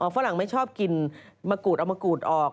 ฝรั่งไม่ชอบกินมะกรูดเอามะกรูดออก